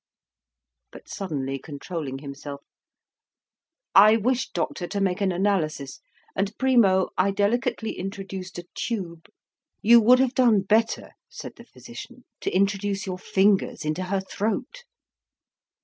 But suddenly controlling himself "I wished, doctor, to make an analysis, and primo I delicately introduced a tube " "You would have done better," said the physician, "to introduce your fingers into her throat."